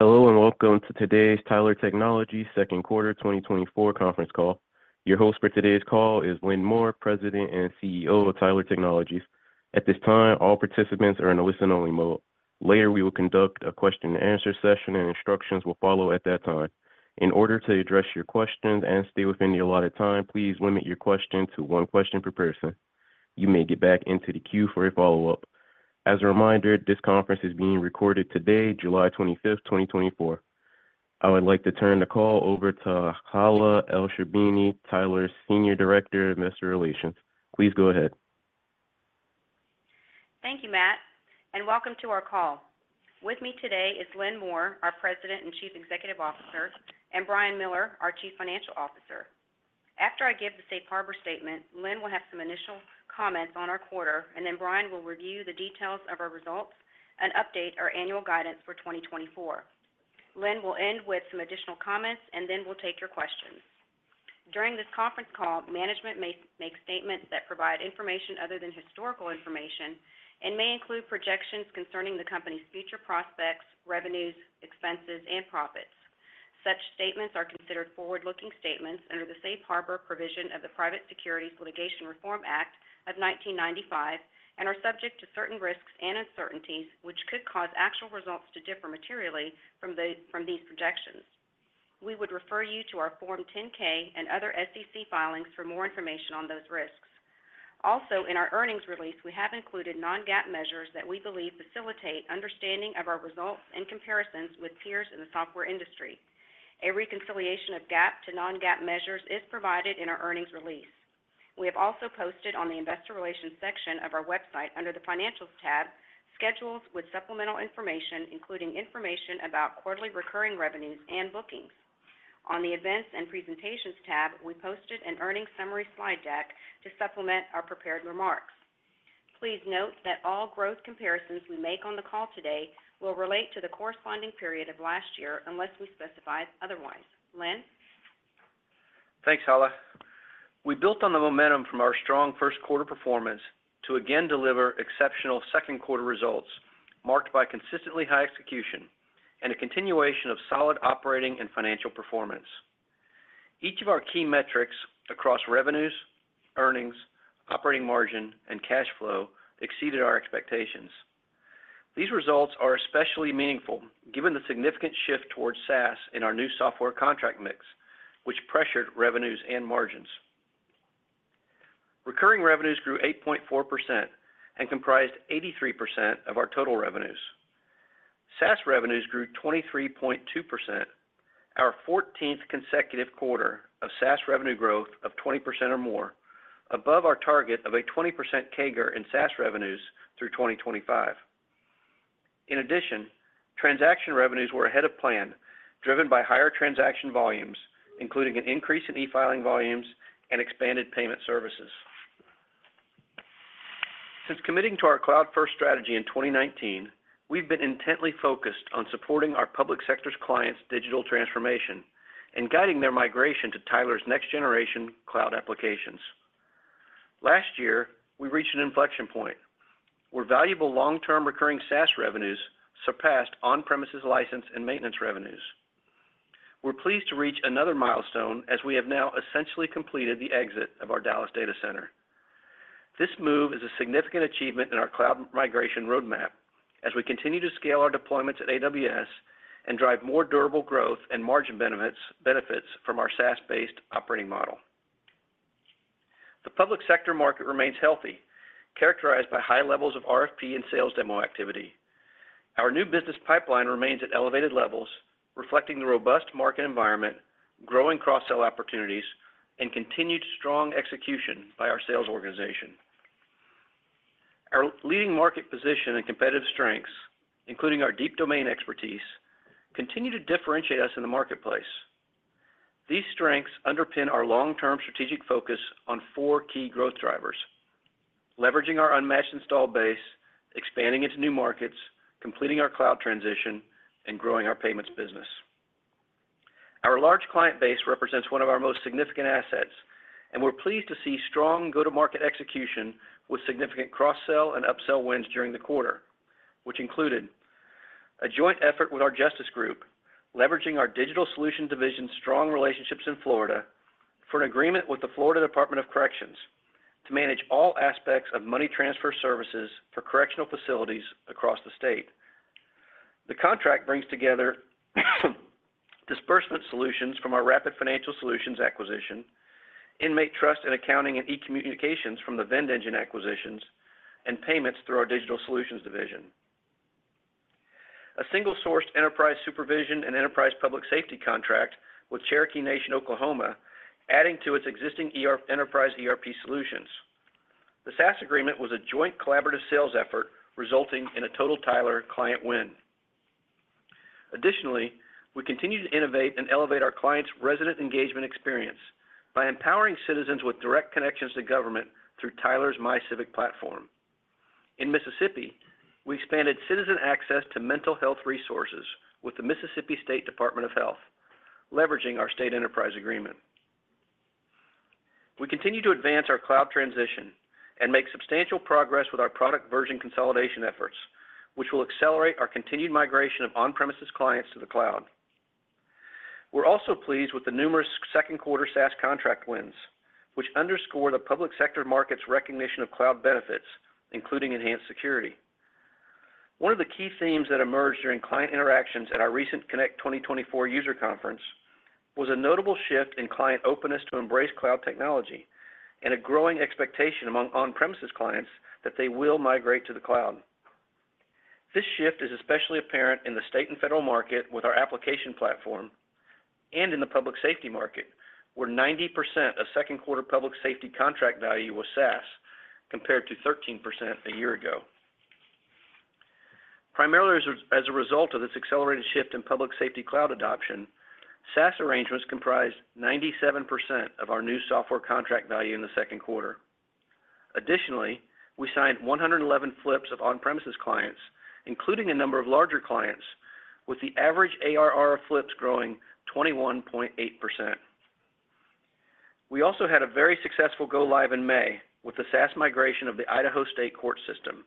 Hello and welcome to today's Tyler Technologies Second Quarter 2024 conference call. Your host for today's call is Lynn Moore, President and CEO of Tyler Technologies. At this time, all participants are in a listen-only mode. Later, we will conduct a question-and-answer session, and instructions will follow at that time. In order to address your questions and stay within the allotted time, please limit your question to one question per person. You may get back into the queue for a follow-up. As a reminder, this conference is being recorded today, July 25th, 2024. I would like to turn the call over to Hala Elsherbini, Tyler's Senior Director of Investor Relations. Please go ahead. Thank you, Matt, and welcome to our call. With me today is Lynn Moore, our President and Chief Executive Officer, and Brian Miller, our Chief Financial Officer. After I give the Safe Harbor Statement, Lynn will have some initial comments on our quarter, and then Brian will review the details of our results and update our annual guidance for 2024. Lynn will end with some additional comments, and then we'll take your questions. During this conference call, management may make statements that provide information other than historical information and may include projections concerning the company's future prospects, revenues, expenses, and profits. Such statements are considered forward-looking statements under the Safe Harbor provision of the Private Securities Litigation Reform Act of 1995 and are subject to certain risks and uncertainties which could cause actual results to differ materially from these projections. We would refer you to our Form 10-K and other SEC filings for more information on those risks. Also, in our earnings release, we have included non-GAAP measures that we believe facilitate understanding of our results and comparisons with peers in the software industry. A reconciliation of GAAP to non-GAAP measures is provided in our earnings release. We have also posted on the Investor Relations section of our website under the Financials tab schedules with supplemental information, including information about quarterly recurring revenues and bookings. On the Events and Presentations tab, we posted an earnings summary slide deck to supplement our prepared remarks. Please note that all growth comparisons we make on the call today will relate to the corresponding period of last year unless we specify otherwise. Lynn? Thanks, Hala. We built on the momentum from our strong first quarter performance to again deliver exceptional second quarter results marked by consistently high execution and a continuation of solid operating and financial performance. Each of our key metrics across revenues, earnings, operating margin, and cash flow exceeded our expectations. These results are especially meaningful given the significant shift towards SaaS in our new software contract mix, which pressured revenues and margins. Recurring revenues grew 8.4% and comprised 83% of our total revenues. SaaS revenues grew 23.2%, our 14th consecutive quarter of SaaS revenue growth of 20% or more, above our target of a 20% CAGR in SaaS revenues through 2025. In addition, transaction revenues were ahead of plan, driven by higher transaction volumes, including an increase in e-filing volumes and expanded payment services. Since committing to our cloud-first strategy in 2019, we've been intently focused on supporting our public sector's clients' digital transformation and guiding their migration to Tyler's next-generation cloud applications. Last year, we reached an inflection point where valuable long-term recurring SaaS revenues surpassed on-premises license and maintenance revenues. We're pleased to reach another milestone as we have now essentially completed the exit of our Dallas data center. This move is a significant achievement in our cloud migration roadmap as we continue to scale our deployments at AWS and drive more durable growth and margin benefits from our SaaS-based operating model. The public sector market remains healthy, characterized by high levels of RFP and sales demo activity. Our new business pipeline remains at elevated levels, reflecting the robust market environment, growing cross-sell opportunities, and continued strong execution by our sales organization. Our leading market position and competitive strengths, including our deep domain expertise, continue to differentiate us in the marketplace. These strengths underpin our long-term strategic focus on four key growth drivers: leveraging our unmatched install base, expanding into new markets, completing our cloud transition, and growing our payments business. Our large client base represents one of our most significant assets, and we're pleased to see strong go-to-market execution with significant cross-sell and upsell wins during the quarter, which included a joint effort with our Justice Group, leveraging our Digital Solutions Division's strong relationships in Florida for an agreement with the Florida Department of Corrections to manage all aspects of money transfer services for correctional facilities across the state. The contract brings together disbursement solutions from our Rapid Financial Solutions acquisition, inmate trust and accounting and e-communications from the VendEngine acquisitions, and payments through our Digital Solutions Division. A single-sourced enterprise supervision and enterprise public safety contract with Cherokee Nation, Oklahoma, adding to its existing enterprise ERP solutions. The SaaS agreement was a joint collaborative sales effort resulting in a total Tyler client win. Additionally, we continue to innovate and elevate our clients' resident engagement experience by empowering citizens with direct connections to government through Tyler's My Civic platform. In Mississippi, we expanded citizen access to mental health resources with the Mississippi State Department of Health, leveraging our state enterprise agreement. We continue to advance our cloud transition and make substantial progress with our product version consolidation efforts, which will accelerate our continued migration of on-premises clients to the cloud. We're also pleased with the numerous second quarter SaaS contract wins, which underscore the public sector market's recognition of cloud benefits, including enhanced security. One of the key themes that emerged during client interactions at our recent Connect 2024 user conference was a notable shift in client openness to embrace cloud technology and a growing expectation among on-premises clients that they will migrate to the cloud. This shift is especially apparent in the state and federal market with our application platform and in the public safety market, where 90% of second quarter public safety contract value was SaaS compared to 13% a year ago. Primarily as a result of this accelerated shift in public safety cloud adoption, SaaS arrangements comprised 97% of our new software contract value in the second quarter. Additionally, we signed 111 flips of on-premises clients, including a number of larger clients, with the average ARR flips growing 21.8%. We also had a very successful go-live in May with the SaaS migration of the Idaho State Court system.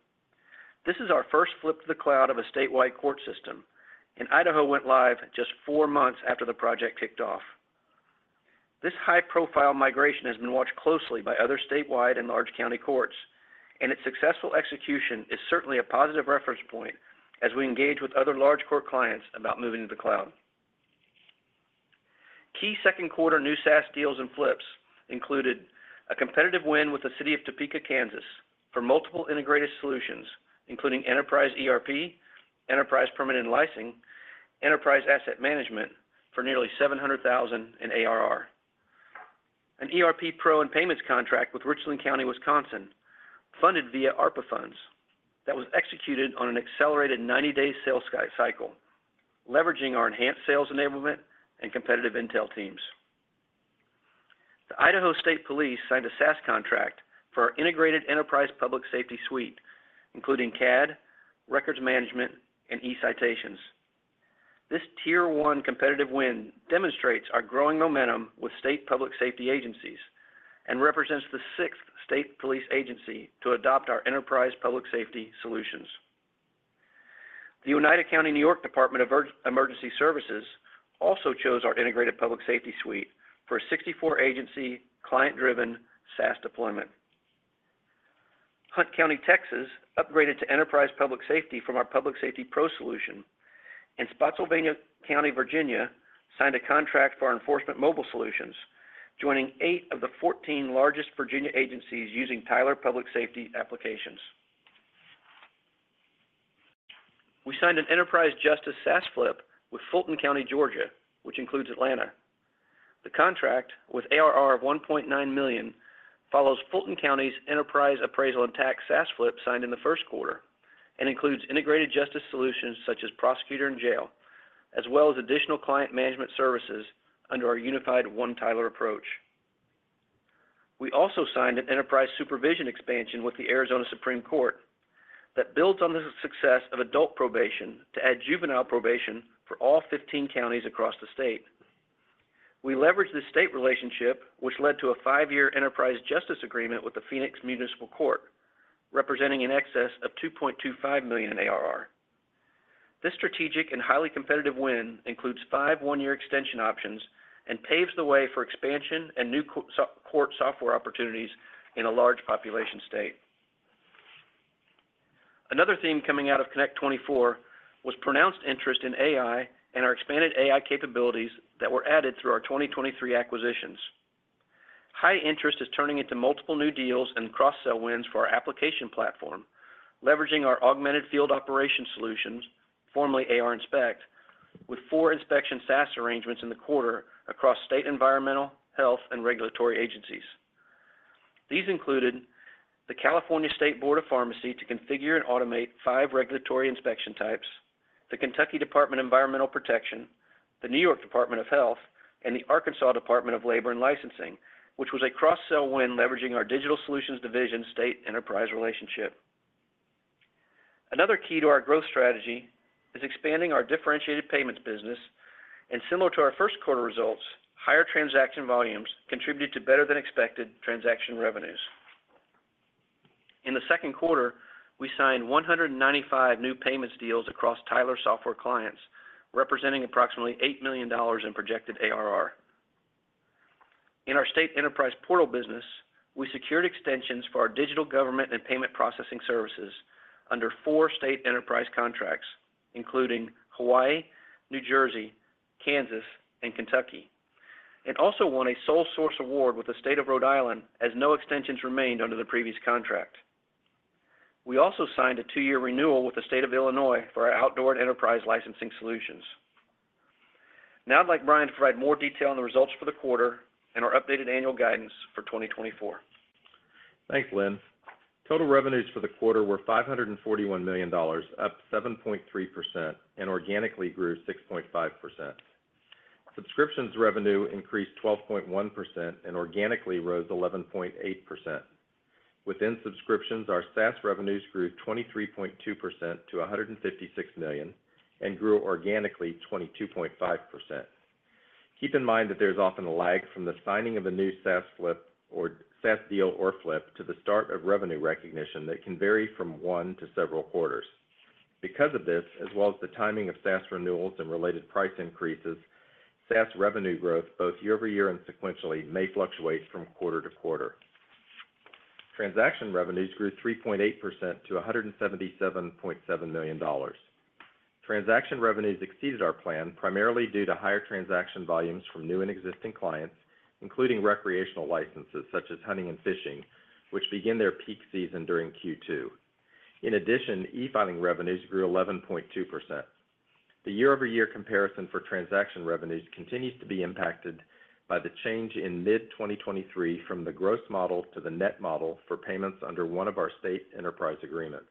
This is our first flip to the cloud of a statewide court system, and Idaho went live just four months after the project kicked off. This high-profile migration has been watched closely by other statewide and large county courts, and its successful execution is certainly a positive reference point as we engage with other large court clients about moving to the cloud. Key second quarter new SaaS deals and flips included a competitive win with the City of Topeka, Kansas, for multiple integrated solutions, including Enterprise ERP, Enterprise Permitting and Licensing, Enterprise Asset Management for nearly $700,000 in ARR, an ERP Pro and Payments contract with Richland County, Wisconsin, funded via ARPA funds that was executed on an accelerated 90-day sales cycle, leveraging our enhanced sales enablement and competitive intel teams. The Idaho State Police signed a SaaS contract for our integrated enterprise public safety suite, including CAD, records management, and e-citations. This tier-one competitive win demonstrates our growing momentum with state public safety agencies and represents the sixth state police agency to adopt our enterprise public safety solutions. The Oneida County, New York, Department of Emergency Services also chose our integrated public safety suite for a 64-agency client-driven SaaS deployment. Hunt County, Texas, upgraded to enterprise public safety from our Public Safety Pro solution, and Spotsylvania County, Virginia, signed a contract for Enforcement Mobile Solutions, joining eight of the 14 largest Virginia agencies using Tyler public safety applications. We signed an enterprise justice SaaS flip with Fulton County, Georgia, which includes Atlanta. The contract, with ARR of $1.9 million, follows Fulton County's enterprise appraisal and tax SaaS flip signed in the first quarter and includes integrated justice solutions such as prosecutor and jail, as well as additional client management services under our unified One Tyler approach. We also signed an enterprise supervision expansion with the Arizona Supreme Court that builds on the success of adult probation to add juvenile probation for all 15 counties across the state. We leveraged the state relationship, which led to a five-year enterprise justice agreement with the Phoenix Municipal Court, representing an excess of $2.25 million in ARR. This strategic and highly competitive win includes five one-year extension options and paves the way for expansion and new court software opportunities in a large population state. Another theme coming out of Connect 2024 was pronounced interest in AI and our expanded AI capabilities that were added through our 2023 acquisitions. High interest is turning into multiple new deals and cross-sell wins for our Application Platform, leveraging our Augmented Field Operations, formerly ARInspect, with four inspection SaaS arrangements in the quarter across state environmental, health, and regulatory agencies. These included the California State Board of Pharmacy to configure and automate five regulatory inspection types, the Kentucky Department of Environmental Protection, the New York Department of Health, and the Arkansas Department of Labor and Licensing, which was a cross-sell win leveraging our Digital Solutions Division state enterprise relationship. Another key to our growth strategy is expanding our differentiated payments business, and similar to our first quarter results, higher transaction volumes contributed to better-than-expected transaction revenues. In the second quarter, we signed 195 new payments deals across Tyler software clients, representing approximately $8 million in projected ARR. In our state enterprise portal business, we secured extensions for our digital government and payment processing services under four state enterprise contracts, including Hawaii, New Jersey, Kansas, and Kentucky, and also won a sole source award with the State of Rhode Island as no extensions remained under the previous contract. We also signed a two-year renewal with the State of Illinois for our outdoor enterprise licensing solutions. Now I'd like Brian to provide more detail on the results for the quarter and our updated annual guidance for 2024. Thanks, Lynn. Total revenues for the quarter were $541 million, up 7.3%, and organically grew 6.5%. Subscriptions revenue increased 12.1% and organically rose 11.8%. Within subscriptions, our SaaS revenues grew 23.2% to $156 million and grew organically 22.5%. Keep in mind that there's often a lag from the signing of a new SaaS flip or SaaS deal or flip to the start of revenue recognition that can vary from one to several quarters. Because of this, as well as the timing of SaaS renewals and related price increases, SaaS revenue growth both year-over-year and sequentially may fluctuate from quarter to quarter. Transaction revenues grew 3.8% to $177.7 million. Transaction revenues exceeded our plan primarily due to higher transaction volumes from new and existing clients, including recreational licenses such as hunting and fishing, which begin their peak season during Q2. In addition, e-filing revenues grew 11.2%. The year-over-year comparison for transaction revenues continues to be impacted by the change in mid-2023 from the gross model to the net model for payments under one of our state enterprise agreements.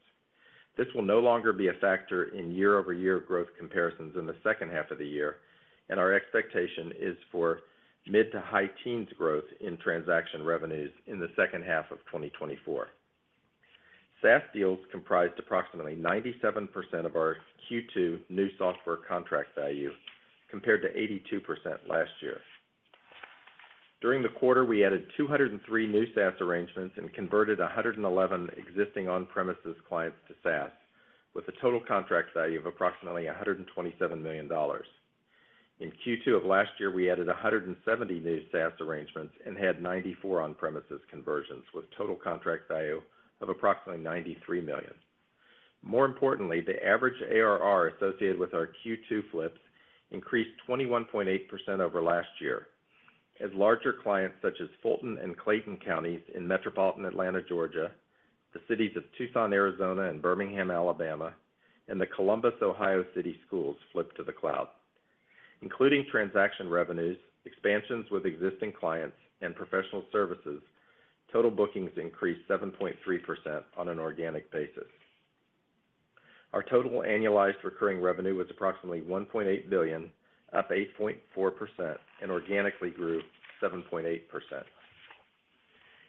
This will no longer be a factor in year-over-year growth comparisons in the second half of the year, and our expectation is for mid to high teens growth in transaction revenues in the second half of 2024. SaaS deals comprised approximately 97% of our Q2 new software contract value, compared to 82% last year. During the quarter, we added 203 new SaaS arrangements and converted 111 existing on-premises clients to SaaS, with a total contract value of approximately $127 million. In Q2 of last year, we added 170 new SaaS arrangements and had 94 on-premises conversions, with total contract value of approximately $93 million. More importantly, the average ARR associated with our Q2 flips increased 21.8% over last year as larger clients such as Fulton County and Clayton County in metropolitan Atlanta, Georgia, the City of Tucson, Arizona, and the City of Birmingham, Alabama, and the Columbus, Ohio City Schools flipped to the cloud. Including transaction revenues, expansions with existing clients, and professional services, total bookings increased 7.3% on an organic basis. Our total annualized recurring revenue was approximately $1.8 billion, up 8.4%, and organically grew 7.8%.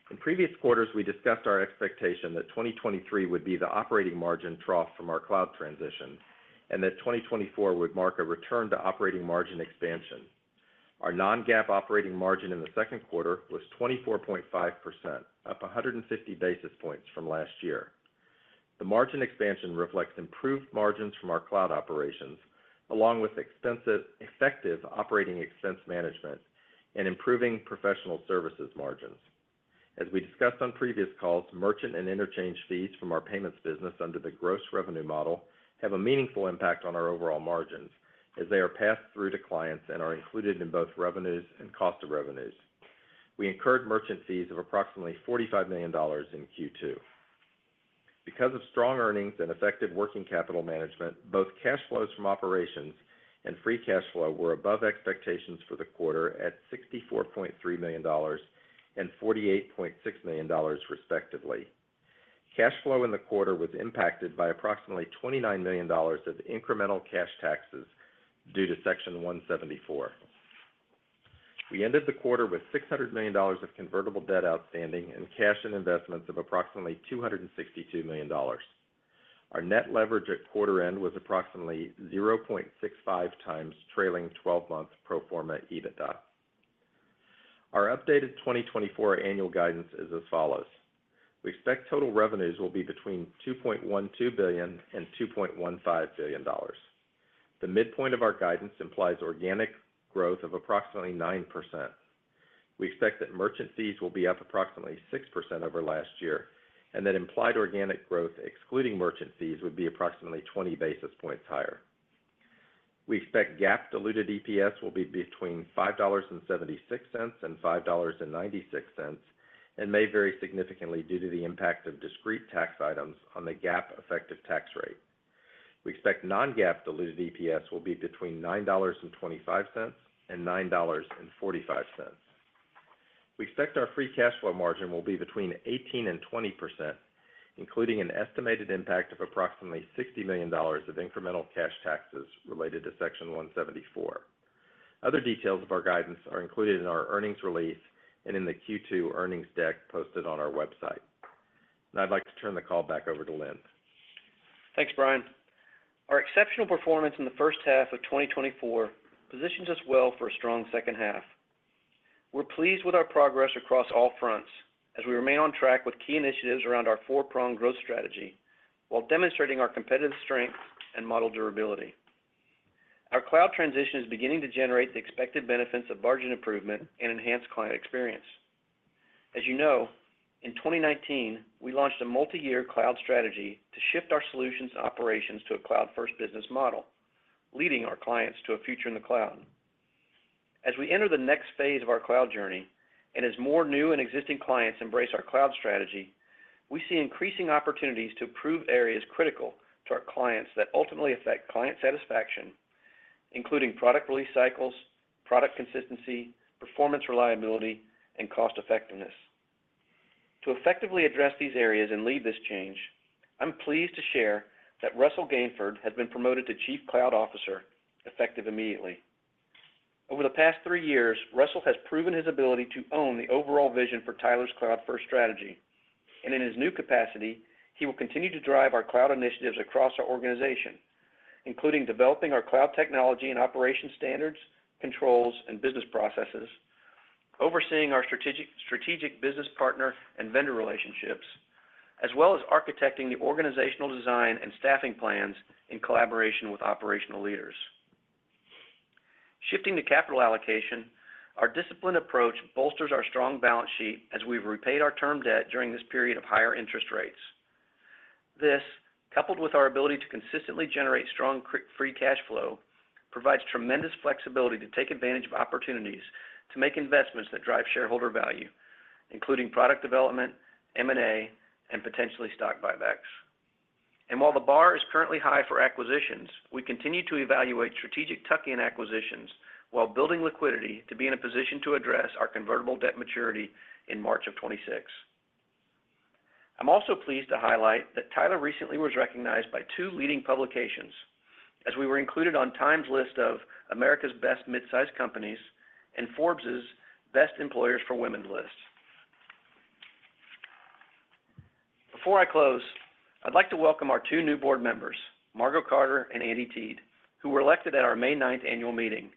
In previous quarters, we discussed our expectation that 2023 would be the operating margin trough from our cloud transition and that 2024 would mark a return to operating margin expansion. Our non-GAAP operating margin in the second quarter was 24.5%, up 150 basis points from last year. The margin expansion reflects improved margins from our cloud operations, along with effective operating expense management and improving professional services margins. As we discussed on previous calls, merchant and interchange fees from our payments business under the gross revenue model have a meaningful impact on our overall margins as they are passed through to clients and are included in both revenues and cost of revenues. We incurred merchant fees of approximately $45 million in Q2. Because of strong earnings and effective working capital management, both cash flows from operations and free cash flow were above expectations for the quarter at $64.3 million and $48.6 million, respectively. Cash flow in the quarter was impacted by approximately $29 million of incremental cash taxes due to Section 174. We ended the quarter with $600 million of convertible debt outstanding and cash and investments of approximately $262 million. Our net leverage at quarter end was approximately 0.65 times trailing 12-month pro forma EBITDA. Our updated 2024 annual guidance is as follows. We expect total revenues will be between $2.12 billion and $2.15 billion. The midpoint of our guidance implies organic growth of approximately 9%. We expect that merchant fees will be up approximately 6% over last year and that implied organic growth, excluding merchant fees, would be approximately 20 basis points higher. We expect GAAP diluted EPS will be between $5.76-$5.96 and may vary significantly due to the impact of discrete tax items on the GAAP effective tax rate. We expect non-GAAP diluted EPS will be between $9.25-$9.45. We expect our free cash flow margin will be between 18%-20%, including an estimated impact of approximately $60 million of incremental cash taxes related to Section 174. Other details of our guidance are included in our earnings release and in the Q2 earnings deck posted on our website. I'd like to turn the call back over to Lynn. Thanks, Brian. Our exceptional performance in the first half of 2024 positions us well for a strong second half. We're pleased with our progress across all fronts as we remain on track with key initiatives around our four-pronged growth strategy while demonstrating our competitive strength and model durability. Our cloud transition is beginning to generate the expected benefits of margin improvement and enhanced client experience. As you know, in 2019, we launched a multi-year cloud strategy to shift our solutions and operations to a cloud-first business model, leading our clients to a future in the cloud. As we enter the next phase of our cloud journey and as more new and existing clients embrace our cloud strategy, we see increasing opportunities to improve areas critical to our clients that ultimately affect client satisfaction, including product release cycles, product consistency, performance reliability, and cost effectiveness. To effectively address these areas and lead this change, I'm pleased to share that Russell Gainford has been promoted to Chief Cloud Officer, effective immediately. Over the past three years, Russell has proven his ability to own the overall vision for Tyler's Cloud-First strategy. In his new capacity, he will continue to drive our cloud initiatives across our organization, including developing our cloud technology and operation standards, controls, and business processes, overseeing our strategic business partner and vendor relationships, as well as architecting the organizational design and staffing plans in collaboration with operational leaders. Shifting to capital allocation, our disciplined approach bolsters our strong balance sheet as we've repaid our term debt during this period of higher interest rates. This, coupled with our ability to consistently generate strong free cash flow, provides tremendous flexibility to take advantage of opportunities to make investments that drive shareholder value, including product development, M&A, and potentially stock buybacks. While the bar is currently high for acquisitions, we continue to evaluate strategic tuck-in acquisitions while building liquidity to be in a position to address our convertible debt maturity in March of 2026. I'm also pleased to highlight that Tyler recently was recognized by two leading publications as we were included on Time's list of America's Best Mid-Sized Companies and Forbes' Best Employers for Women list. Before I close, I'd like to welcome our two new board members, Margo Carter and Andy Teed, who were elected at our May 9th annual meeting.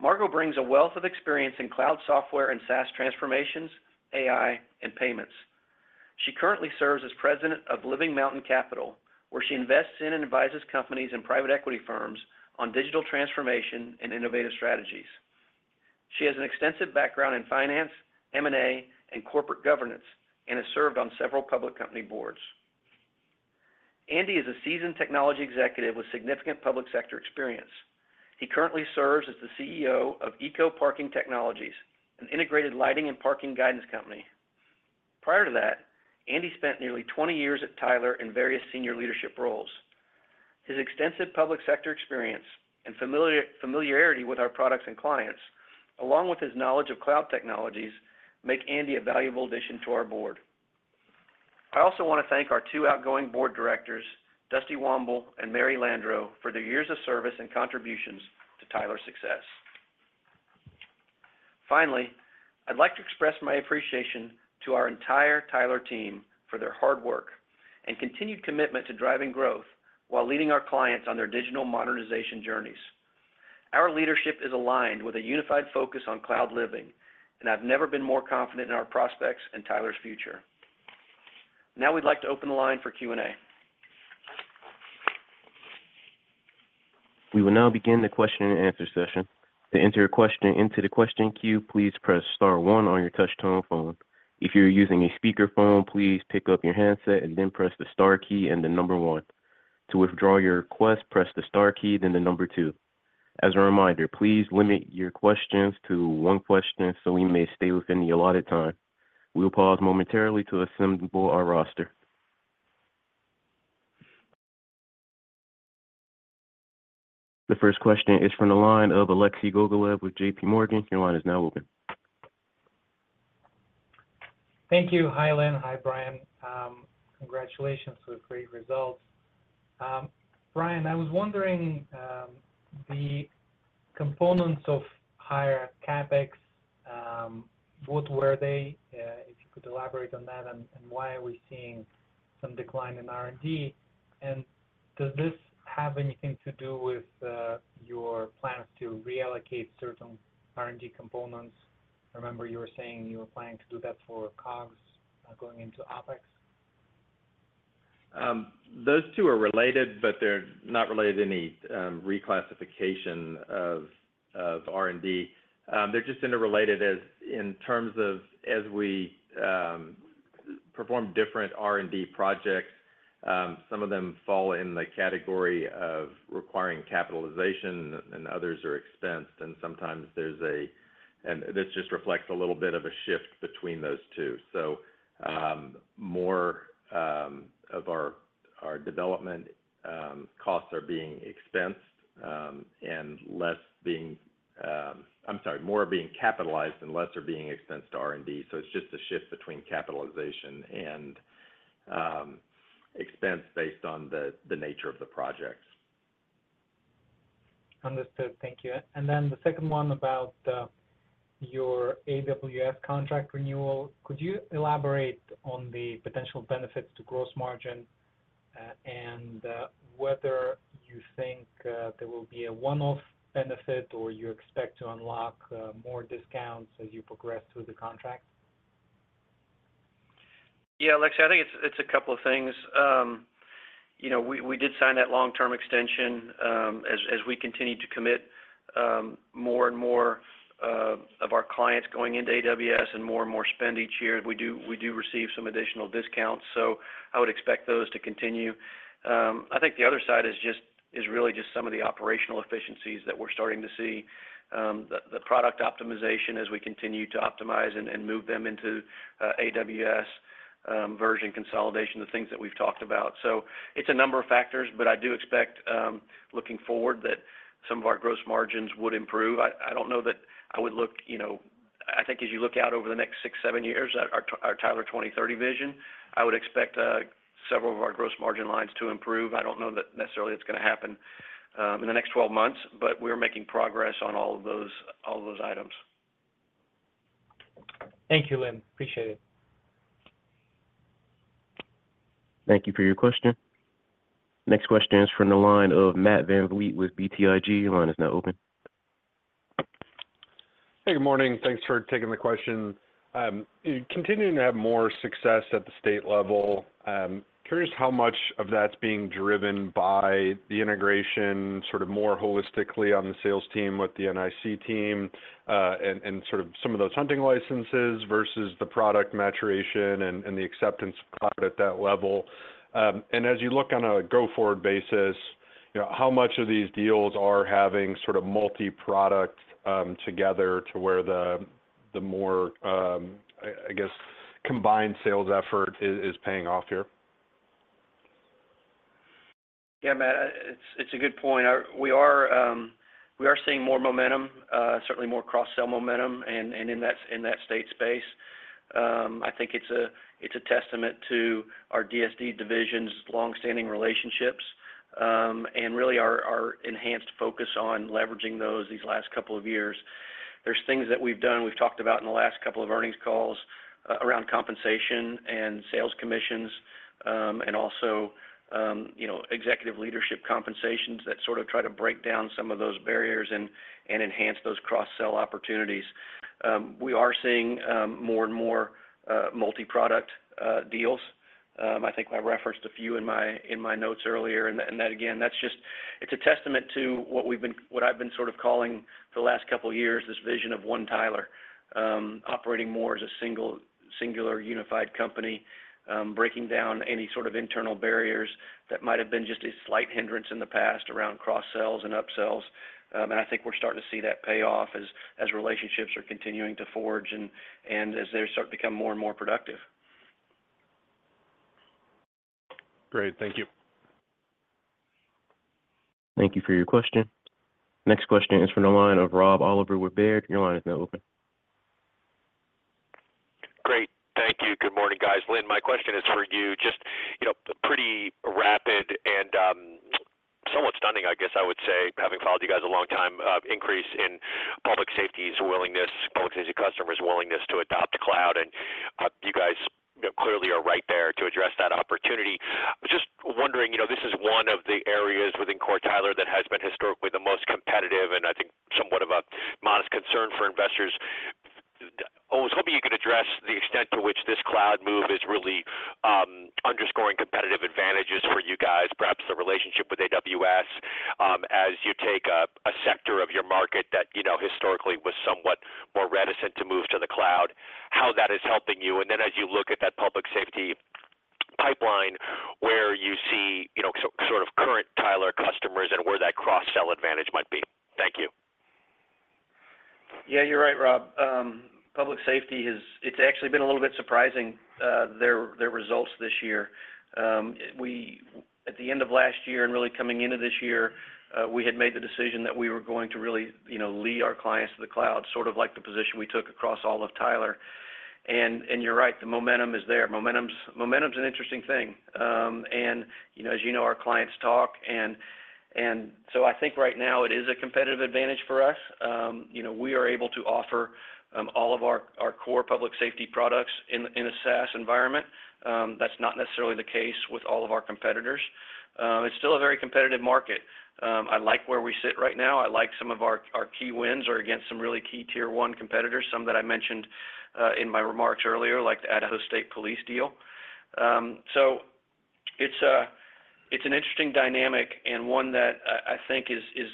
Margo brings a wealth of experience in cloud software and SaaS transformations, AI, and payments. She currently serves as president of Living Mountain Capital, where she invests in and advises companies and private equity firms on digital transformation and innovative strategies. She has an extensive background in finance, M&A, and corporate governance and has served on several public company boards. Andy is a seasoned technology executive with significant public sector experience. He currently serves as the CEO of ECO Parking Technologies, an integrated lighting and parking guidance company. Prior to that, Andy spent nearly 20 years at Tyler in various senior leadership roles. His extensive public sector experience and familiarity with our products and clients, along with his knowledge of cloud technologies, make Andy a valuable addition to our board. I also want to thank our two outgoing board directors, Dusty Womble and Mary Landrieu, for their years of service and contributions to Tyler's success. Finally, I'd like to express my appreciation to our entire Tyler team for their hard work and continued commitment to driving growth while leading our clients on their digital modernization journeys. Our leadership is aligned with a unified focus on cloud living, and I've never been more confident in our prospects and Tyler's future. Now we'd like to open the line for Q&A. We will now begin the question and answer session. To enter a question into the question queue, please press Star one on your touch-tone phone. If you're using a speakerphone, please pick up your handset and then press the Star key and the number one. To withdraw your request, press the Star key, then the number two. As a reminder, please limit your questions to one question so we may stay within the allotted time. We'll pause momentarily to assemble our roster. The first question is from the line of Alexei Gogolev with J.P. Morgan. Your line is now open. Thank you. Hi, Lynn. Hi, Brian. Congratulations with great results. Brian, I was wondering, the components of higher CapEx, what were they? If you could elaborate on that and why are we seeing some decline in R&D? And does this have anything to do with your plans to reallocate certain R&D components? I remember you were saying you were planning to do that for COGS going into OPEX. Those two are related, but they're not related to any reclassification of R&D. They're just interrelated in terms of, as we perform different R&D projects, some of them fall in the category of requiring capitalization and others are expensed. And sometimes there's a—and this just reflects a little bit of a shift between those two. So more of our development costs are being expensed and less being—I'm sorry, more are being capitalized and less are being expensed to R&D. So it's just a shift between capitalization and expense based on the nature of the projects. Understood. Thank you. And then the second one about your AWS contract renewal. Could you elaborate on the potential benefits to gross margin and whether you think there will be a one-off benefit or you expect to unlock more discounts as you progress through the contract? Yeah, Alexie, I think it's a couple of things. We did sign that long-term extension as we continue to commit more and more of our clients going into AWS and more and more spend each year. We do receive some additional discounts, so I would expect those to continue. I think the other side is really just some of the operational efficiencies that we're starting to see, the product optimization as we continue to optimize and move them into AWS version consolidation, the things that we've talked about. So it's a number of factors, but I do expect, looking forward, that some of our gross margins would improve. I don't know that I would look—I think as you look out over the next six, seven years, our Tyler 2030 vision, I would expect several of our gross margin lines to improve. I don't know that necessarily it's going to happen in the next 12 months, but we're making progress on all of those items. Thank you, Lynn. Appreciate it. Thank you for your question. Next question is from the line of Matt VanVliet with BTIG. Your line is now open. Hey, good morning. Thanks for taking the question. Continuing to have more success at the state level. Curious how much of that's being driven by the integration, sort of more holistically on the sales team with the NIC team and sort of some of those hunting licenses versus the product maturation and the acceptance of cloud at that level. And as you look on a go-forward basis, how much of these deals are having sort of multi-product together to where the more, I guess, combined sales effort is paying off here? Yeah, Matt, it's a good point. We are seeing more momentum, certainly more cross-sale momentum in that state space. I think it's a testament to our DSD division's long-standing relationships and really our enhanced focus on leveraging those these last couple of years. There's things that we've done, we've talked about in the last couple of earnings calls around compensation and sales commissions and also executive leadership compensations that sort of try to break down some of those barriers and enhance those cross-sale opportunities. We are seeing more and more multi-product deals. I think I referenced a few in my notes earlier. That, again, that's just, it's a testament to what I've been sort of calling for the last couple of years, this vision of One Tyler, operating more as a singular unified company, breaking down any sort of internal barriers that might have been just a slight hindrance in the past around cross-sales and up-sales. I think we're starting to see that pay off as relationships are continuing to forge and as they start to become more and more productive. Great. Thank you. Thank you for your question. Next question is from the line of Rob Oliver with Baird. Your line is now open. Great. Thank you. Good morning, guys. Lynn, my question is for you. Just a pretty rapid and somewhat stunning, I guess I would say, having followed you guys a long time, increase in public safety's willingness, public safety customers' willingness to adopt cloud. You guys clearly are right there to address that opportunity. Just wondering, this is one of the areas within core Tyler that has been historically the most competitive and I think somewhat of a modest concern for investors. I was hoping you could address the extent to which this cloud move is really underscoring competitive advantages for you guys, perhaps the relationship with AWS as you take a sector of your market that historically was somewhat more reticent to move to the cloud, how that is helping you. And then as you look at that public safety pipeline where you see sort of current Tyler customers and where that cross-sale advantage might be. Thank you. Yeah, you're right, Rob. Public safety, it's actually been a little bit surprising, their results this year. At the end of last year and really coming into this year, we had made the decision that we were going to really lead our clients to the cloud, sort of like the position we took across all of Tyler. And you're right, the momentum is there. Momentum's an interesting thing. And as you know, our clients talk. And so I think right now it is a competitive advantage for us. We are able to offer all of our core public safety products in a SaaS environment. That's not necessarily the case with all of our competitors. It's still a very competitive market. I like where we sit right now. I like some of our key wins are against some really key tier one competitors, some that I mentioned in my remarks earlier, like the Idaho State Police deal. So it's an interesting dynamic and one that I think is.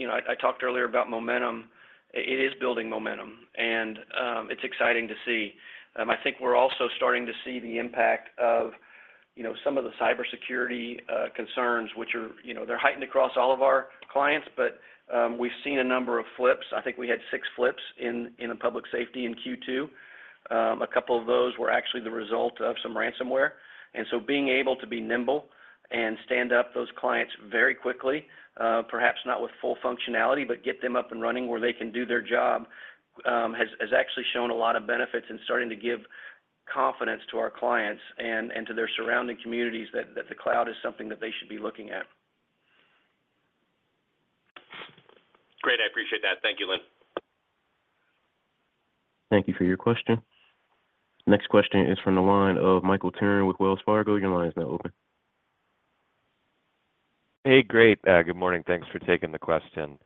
I talked earlier about momentum. It is building momentum, and it's exciting to see. I think we're also starting to see the impact of some of the cybersecurity concerns, which are. They're heightened across all of our clients, but we've seen a number of flips. I think we had six flips in the public safety in Q2. A couple of those were actually the result of some ransomware. And so being able to be nimble and stand up those clients very quickly, perhaps not with full functionality, but get them up and running where they can do their job, has actually shown a lot of benefits and starting to give confidence to our clients and to their surrounding communities that the cloud is something that they should be looking at. Great. I appreciate that. Thank you, Lynn. Thank you for your question. Next question is from the line of Michael Turrin with Wells Fargo. Your line is now open. Hey, great. Good morning. Thanks for taking the question.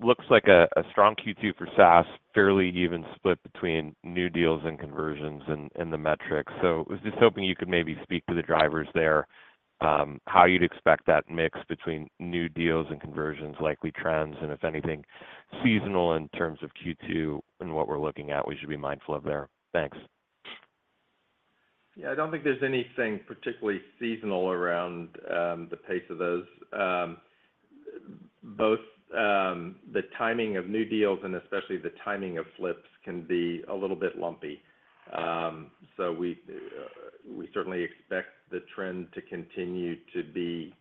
Looks like a strong Q2 for SaaS, fairly even split between new deals and conversions and the metrics. So I was just hoping you could maybe speak to the drivers there, how you'd expect that mix between new deals and conversions, likely trends, and if anything, seasonal in terms of Q2 and what we're looking at we should be mindful of there. Thanks. Yeah, I don't think there's anything particularly seasonal around the pace of those. Both the timing of new deals and especially the timing of flips can be a little bit lumpy. So we certainly expect the trend to continue to be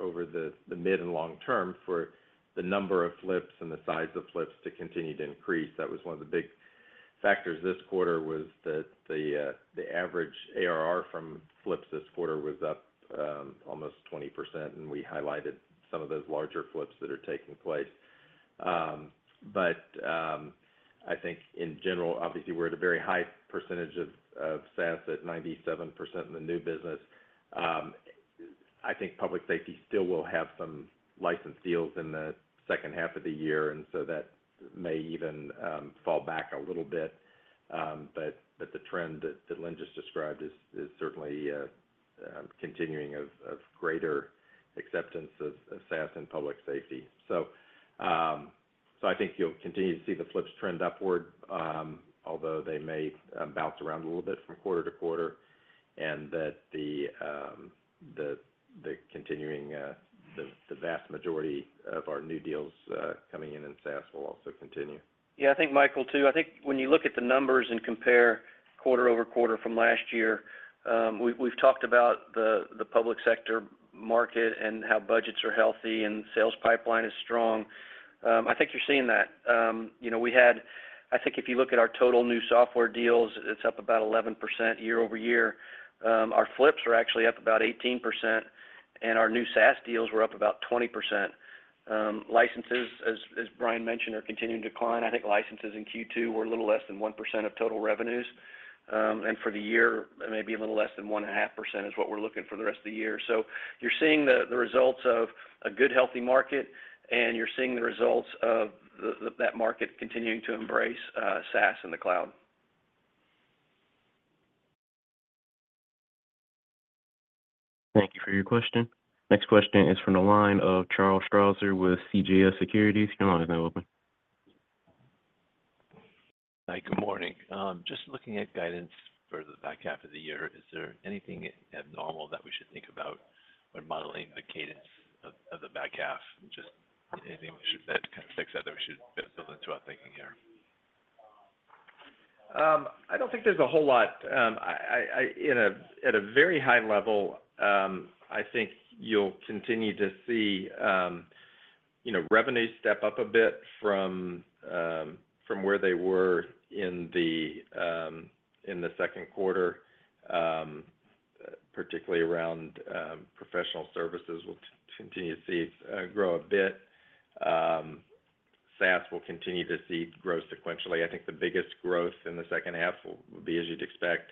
over the mid and long term for the number of flips and the size of flips to continue to increase. That was one of the big factors this quarter was that the average ARR from flips this quarter was up almost 20%, and we highlighted some of those larger flips that are taking place. But I think in general, obviously, we're at a very high percentage of SaaS at 97% in the new business. I think public safety still will have some license deals in the second half of the year, and so that may even fall back a little bit. But the trend that Lynn just described is certainly continuing of greater acceptance of SaaS and public safety. So I think you'll continue to see the flips trend upward, although they may bounce around a little bit from quarter to quarter, and that the continuing, the vast majority of our new deals coming in in SaaS will also continue. Yeah, I think, Michael, too. I think when you look at the numbers and compare quarter-over-quarter from last year, we've talked about the public sector market and how budgets are healthy and sales pipeline is strong. I think you're seeing that. We had, I think if you look at our total new software deals, it's up about 11% year-over-year. Our flips are actually up about 18%, and our new SaaS deals were up about 20%. Licenses, as Brian mentioned, are continuing to decline. I think licenses in Q2 were a little less than 1% of total revenues. For the year, maybe a little less than 1.5% is what we're looking for the rest of the year. You're seeing the results of a good, healthy market, and you're seeing the results of that market continuing to embrace SaaS and the cloud. Thank you for your question. Next question is from the line of Charles Strauzer with CJS Securities. Your line is now open. Hi, good morning. Just looking at guidance for the back half of the year, is there anything abnormal that we should think about when modeling the cadence of the back half? Just anything that kind of fixes that we should build into our thinking here. I don't think there's a whole lot. At a very high level, I think you'll continue to see revenues step up a bit from where they were in the second quarter, particularly around professional services. We'll continue to see it grow a bit. SaaS will continue to see growth sequentially. I think the biggest growth in the second half will be, as you'd expect,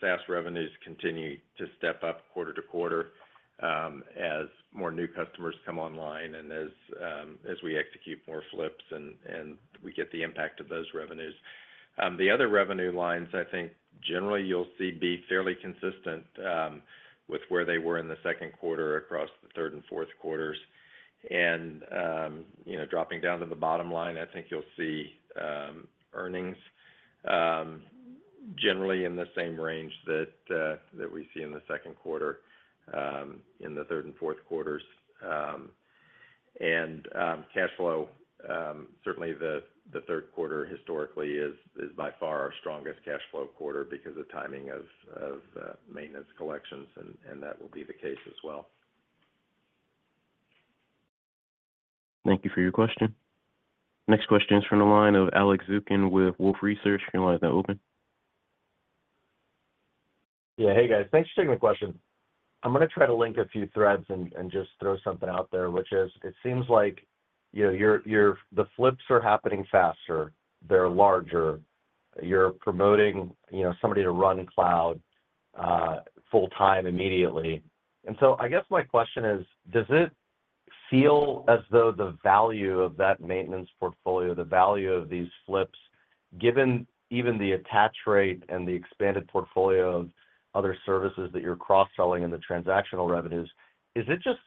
SaaS revenues continue to step up quarter to quarter as more new customers come online and as we execute more flips and we get the impact of those revenues. The other revenue lines, I think, generally you'll see be fairly consistent with where they were in the second quarter across the third and fourth quarters. And dropping down to the bottom line, I think you'll see earnings generally in the same range that we see in the second quarter, in the third and fourth quarters. Cash flow, certainly the third quarter historically is by far our strongest cash flow quarter because of timing of maintenance collections, and that will be the case as well. Thank you for your question. Next question is from the line of Alex Zukin with Wolfe Research. Your line is now open. Yeah, hey, guys. Thanks for taking the question. I'm going to try to link a few threads and just throw something out there, which is it seems like the flips are happening faster. They're larger. You're promoting somebody to run cloud full-time immediately. And so I guess my question is, does it feel as though the value of that maintenance portfolio, the value of these flips, given even the attach rate and the expanded portfolio of other services that you're cross-selling and the transactional revenues, is it just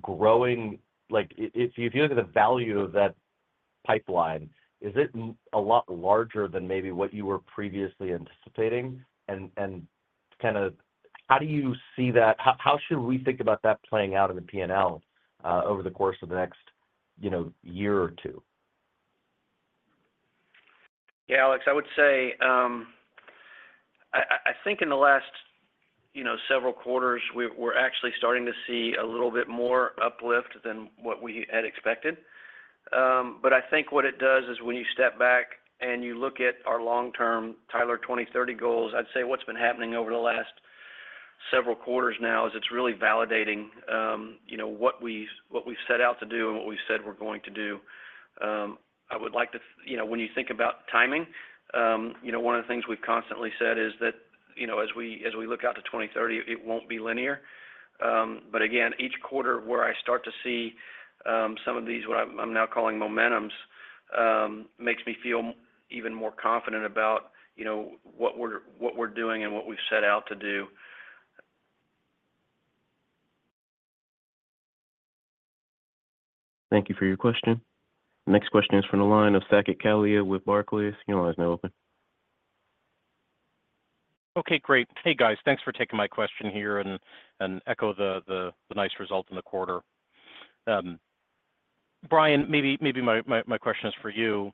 growing? If you look at the value of that pipeline, is it a lot larger than maybe what you were previously anticipating? And kind of how do you see that? How should we think about that playing out in the P&L over the course of the next year or two? Yeah, Alex, I would say I think in the last several quarters, we're actually starting to see a little bit more uplift than what we had expected. But I think what it does is when you step back and you look at our long-term Tyler 2030 goals, I'd say what's been happening over the last several quarters now is it's really validating what we've set out to do and what we said we're going to do. I would like to, when you think about timing, one of the things we've constantly said is that as we look out to 2030, it won't be linear. But again, each quarter where I start to see some of these what I'm now calling momentums makes me feel even more confident about what we're doing and what we've set out to do. Thank you for your question. Next question is from the line of Saket Kalia with Barclays. Your line is now open. Okay, great. Hey, guys. Thanks for taking my question here and echo the nice result in the quarter. Brian, maybe my question is for you.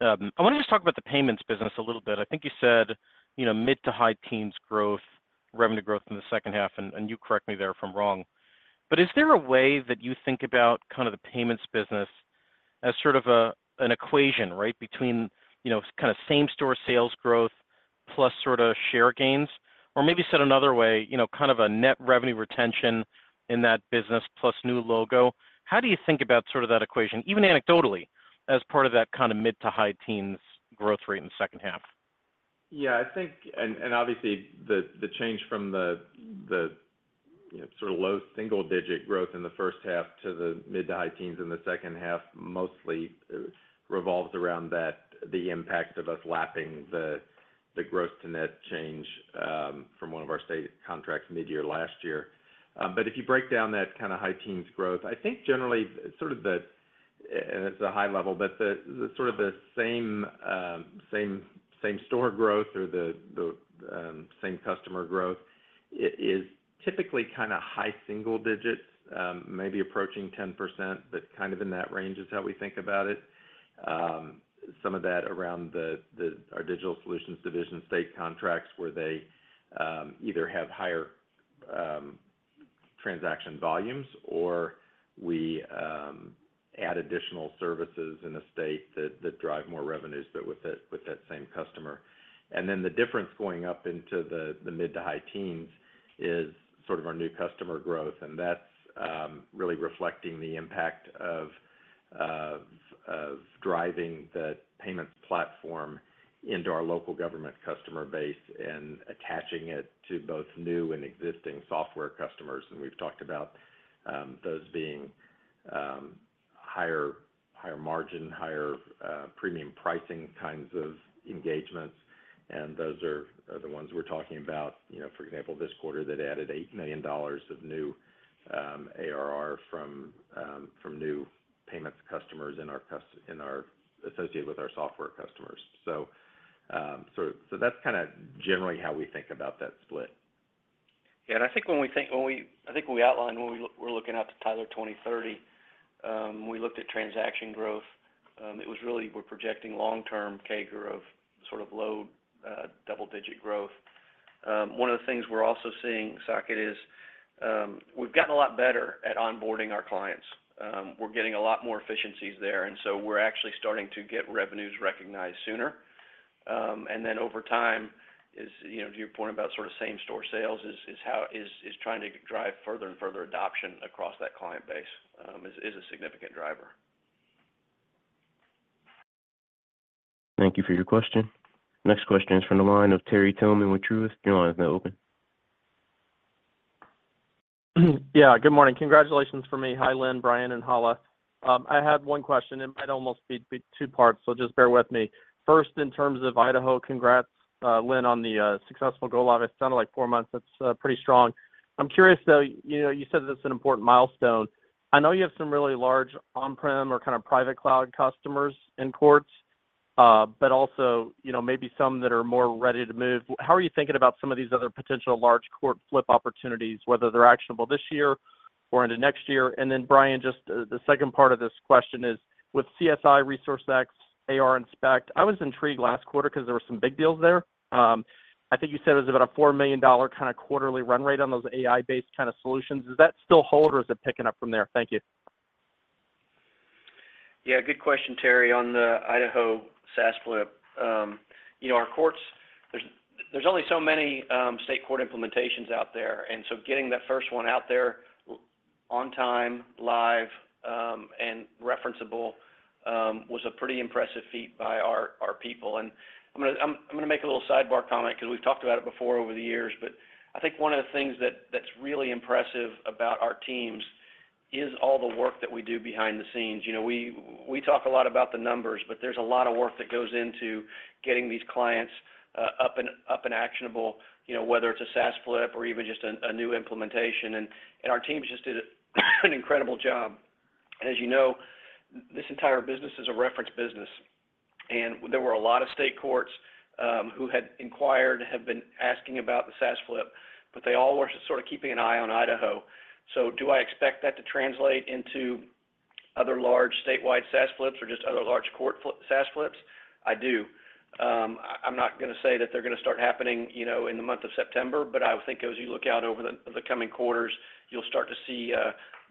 I want to just talk about the payments business a little bit. I think you said mid-to-high-teens growth, revenue growth in the second half, and you correct me there if I'm wrong. But is there a way that you think about kind of the payments business as sort of an equation, right, between kind of same-store sales growth plus sort of share gains? Or maybe said another way, kind of a net revenue retention in that business plus new logo. How do you think about sort of that equation, even anecdotally, as part of that kind of mid- to high-teens growth rate in the second half? Yeah, I think, and obviously, the change from the sort of low single-digit growth in the first half to the mid- to high-teens in the second half mostly revolves around the impact of us lapping the gross-to-net change from one of our state contracts mid-year last year. But if you break down that kind of high-teens growth, I think generally sort of the—and it's a high level—but sort of the same-store growth or the same customer growth is typically kind of high single digits, maybe approaching 10%, but kind of in that range is how we think about it. Some of that around our Digital Solutions Division, state contracts where they either have higher transaction volumes or we add additional services in a state that drive more revenues but with that same customer. And then the difference going up into the mid to high teens is sort of our new customer growth, and that's really reflecting the impact of driving the payments platform into our local government customer base and attaching it to both new and existing software customers. We've talked about those being higher margin, higher premium pricing kinds of engagements. Those are the ones we're talking about. For example, this quarter, they added $8 million of new ARR from new payments customers associated with our software customers. That's kind of generally how we think about that split. Yeah, and I think when we outlined when we were looking at the Tyler 2030, we looked at transaction growth. It was really we're projecting long-term CAGR of sort of low double-digit growth. One of the things we're also seeing, Saket, is we've gotten a lot better at onboarding our clients. We're getting a lot more efficiencies there, and so we're actually starting to get revenues recognized sooner. And then over time, to your point about sort of same-store sales, is trying to drive further and further adoption across that client base is a significant driver. Thank you for your question. Next question is from the line of Terry Tillman with Truist. Your line is now open. Yeah, good morning. Congratulations for me. Hi, Lynn, Brian, and Hala. I had one question, and it might almost be two parts, so just bear with me. First, in terms of Idaho, congrats, Lynn, on the successful go-live. It's done in like four months. That's pretty strong. I'm curious, though, you said that it's an important milestone. I know you have some really large on-prem or kind of private cloud customers in courts, but also maybe some that are more ready to move. How are you thinking about some of these other potential large cloud flip opportunities, whether they're actionable this year or into next year? And then, Brian, just the second part of this question is with CSI, ResourceX, ARInspect. I was intrigued last quarter because there were some big deals there. I think you said it was about a $4 million kind of quarterly run rate on those AI-based kind of solutions. Does that still hold, or is it picking up from there? Thank you. Yeah, good question, Terry, on the Idaho SaaS flip. There's only so many state court implementations out there, and so getting that first one out there on time, live, and referenceable was a pretty impressive feat by our people. And I'm going to make a little sidebar comment because we've talked about it before over the years, but I think one of the things that's really impressive about our teams is all the work that we do behind the scenes. We talk a lot about the numbers, but there's a lot of work that goes into getting these clients up and actionable, whether it's a SaaS flip or even just a new implementation. And our teams just did an incredible job. And as you know, this entire business is a reference business. There were a lot of state courts who had inquired and have been asking about the SaaS flip, but they all were sort of keeping an eye on Idaho. So do I expect that to translate into other large statewide SaaS flips or just other large court SaaS flips? I do. I'm not going to say that they're going to start happening in the month of September, but I think as you look out over the coming quarters, you'll start to see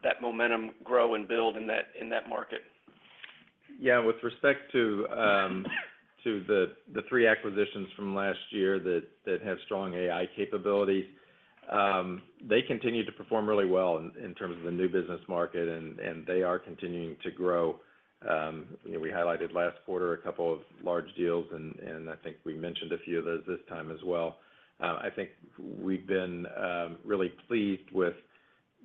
that momentum grow and build in that market. Yeah, with respect to the three acquisitions from last year that have strong AI capabilities, they continue to perform really well in terms of the new business market, and they are continuing to grow. We highlighted last quarter a couple of large deals, and I think we mentioned a few of those this time as well. I think we've been really pleased with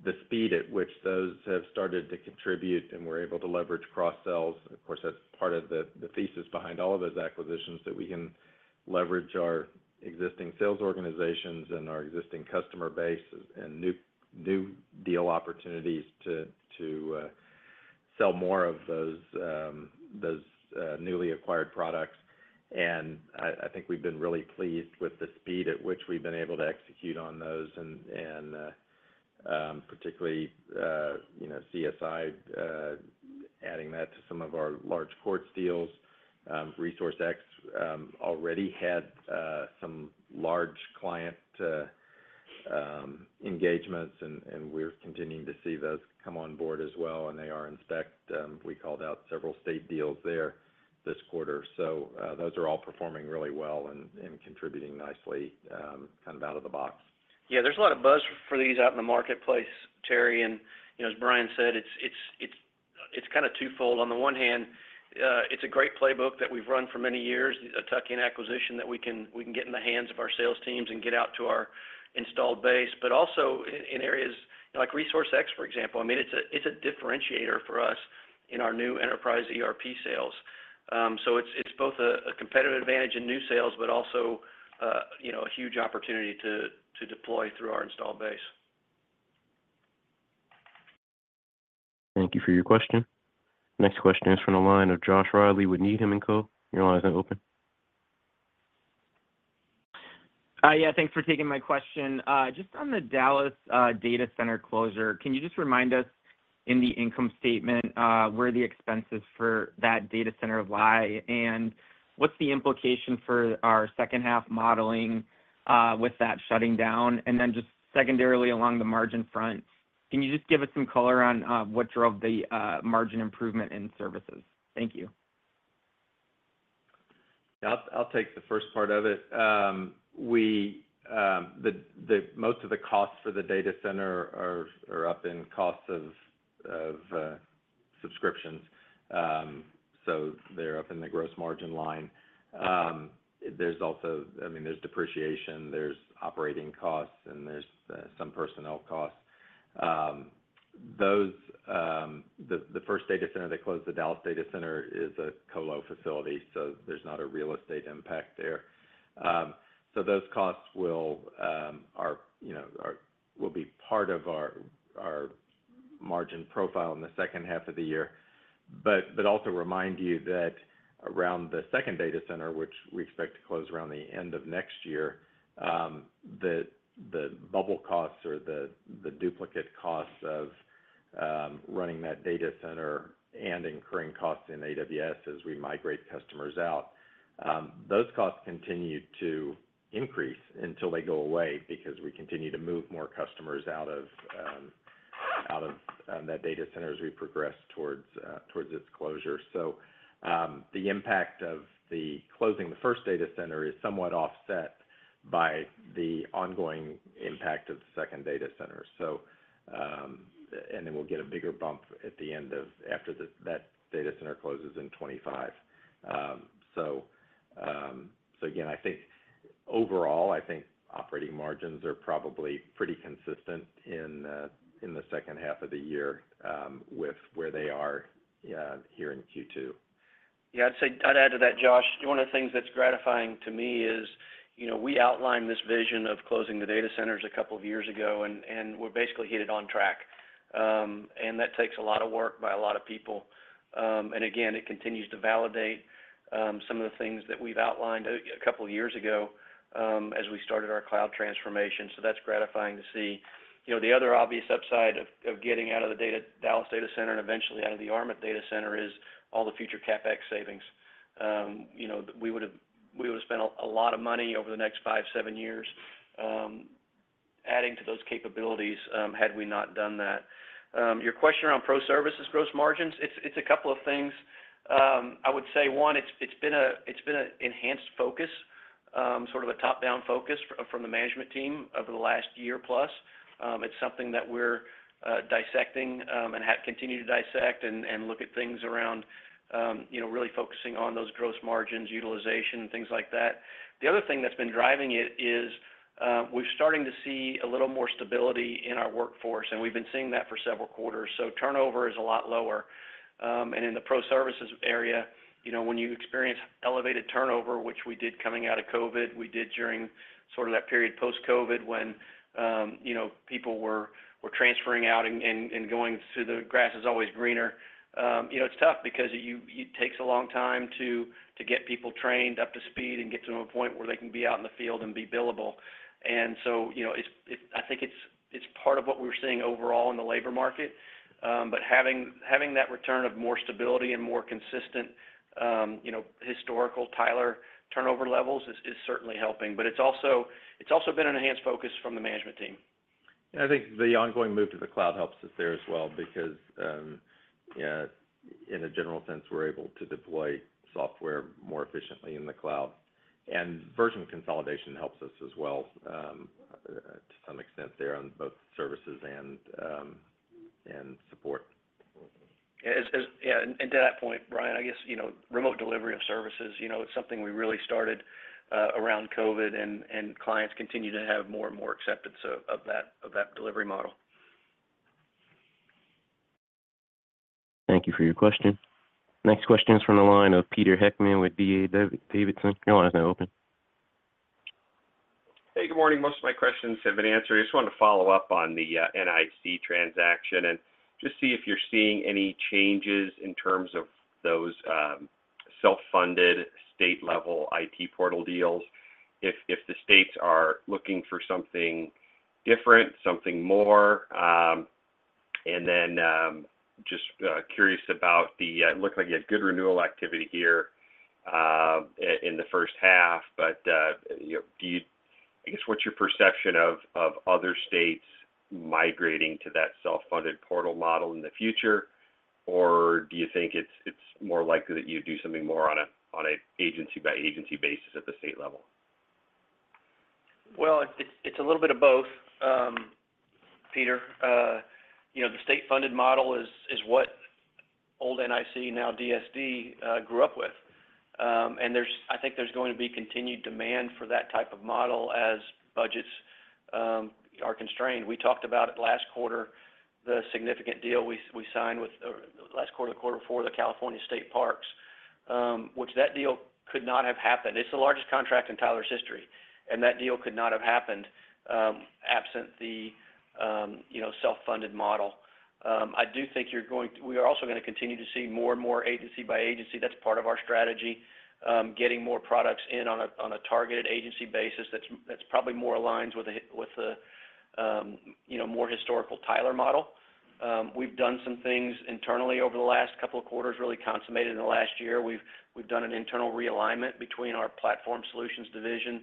the speed at which those have started to contribute, and we're able to leverage cross-sells. Of course, that's part of the thesis behind all of those acquisitions, that we can leverage our existing sales organizations and our existing customer base and new deal opportunities to sell more of those newly acquired products. And I think we've been really pleased with the speed at which we've been able to execute on those, and particularly CSI adding that to some of our large court deals. ResourceX already had some large client engagements, and we're continuing to see those come on board as well. And ARInspect. We called out several state deals there this quarter. So those are all performing really well and contributing nicely kind of out of the box. Yeah, there's a lot of buzz for these out in the marketplace, Terry. As Brian said, it's kind of twofold. On the one hand, it's a great playbook that we've run for many years, a tuck-in acquisition that we can get in the hands of our sales teams and get out to our installed base. Also in areas like ResourceX, for example, I mean, it's a differentiator for us in our new Enterprise ERP sales. It's both a competitive advantage in new sales, but also a huge opportunity to deploy through our installed base. Thank you for your question. Next question is from the line of Josh Reilly with Needham & Company. Your line is now open. Hi, yeah, thanks for taking my question. Just on the Dallas data center closure, can you just remind us in the income statement where the expenses for that data center lie and what's the implication for our second-half modeling with that shutting down? And then just secondarily along the margin front, can you just give us some color on what drove the margin improvement in services? Thank you. I'll take the first part of it. Most of the costs for the data center are up in costs of subscriptions. So they're up in the gross margin line. I mean, there's depreciation, there's operating costs, and there's some personnel costs. The first data center they closed, the Dallas data center, is a colo facility, so there's not a real estate impact there. So those costs will be part of our margin profile in the second half of the year. But also remind you that around the second data center, which we expect to close around the end of next year, the bubble costs or the duplicate costs of running that data center and incurring costs in AWS as we migrate customers out, those costs continue to increase until they go away because we continue to move more customers out of that data center as we progress towards its closure. So the impact of closing the first data center is somewhat offset by the ongoing impact of the second data center. And then we'll get a bigger bump at the end, after that data center closes in 2025. So again, overall, I think operating margins are probably pretty consistent in the second half of the year with where they are here in Q2. Yeah, I'd say I'd add to that, Josh. One of the things that's gratifying to me is we outlined this vision of closing the data centers a couple of years ago, and we've basically hit it on track. And that takes a lot of work by a lot of people. And again, it continues to validate some of the things that we've outlined a couple of years ago as we started our cloud transformation. So that's gratifying to see. The other obvious upside of getting out of the Dallas data center and eventually out of the Yarmouth data center is all the future CapEx savings. We would have spent a lot of money over the next five to seven years adding to those capabilities had we not done that. Your question around pro services gross margins, it's a couple of things. I would say, one, it's been an enhanced focus, sort of a top-down focus from the management team over the last year plus. It's something that we're dissecting and continue to dissect and look at things around really focusing on those gross margins, utilization, things like that. The other thing that's been driving it is we're starting to see a little more stability in our workforce, and we've been seeing that for several quarters. So turnover is a lot lower. In the pro services area, when you experience elevated turnover, which we did coming out of COVID, we did during sort of that period post-COVID when people were transferring out and going to the grass is always greener, it's tough because it takes a long time to get people trained up to speed and get to a point where they can be out in the field and be billable. So I think it's part of what we're seeing overall in the labor market. But having that return of more stability and more consistent historical Tyler turnover levels is certainly helping. It's also been an enhanced focus from the management team. Yeah, I think the ongoing move to the cloud helps us there as well because, in a general sense, we're able to deploy software more efficiently in the cloud. Version consolidation helps us as well to some extent there on both services and support. Yeah, and to that point, Brian, I guess remote delivery of services. It's something we really started around COVID, and clients continue to have more and more acceptance of that delivery model. Thank you for your question. Next question is from the line of Peter Heckmann with D.A. Davidson. Your line is now open. Hey, good morning. Most of my questions have been answered. I just wanted to follow up on the NIC transaction and just see if you're seeing any changes in terms of those self-funded state-level IT portal deals. If the states are looking for something different, something more. And then just curious about the it looked like you had good renewal activity here in the first half, but I guess what's your perception of other states migrating to that self-funded portal model in the future, or do you think it's more likely that you do something more on an agency-by-agency basis at the state level? Well, it's a little bit of both, Peter. The state-funded model is what old NIC, now DSD, grew up with. And I think there's going to be continued demand for that type of model as budgets are constrained. We talked about it last quarter, the significant deal we signed with last quarter, quarter four, the California State Parks, which that deal could not have happened. It's the largest contract in Tyler's history. And that deal could not have happened absent the self-funded model. I do think you're going to we are also going to continue to see more and more agency-by-agency. That's part of our strategy, getting more products in on a targeted agency basis that probably more aligns with the more historical Tyler model. We've done some things internally over the last couple of quarters, really consummated in the last year. We've done an internal realignment between our Platform Solutions Division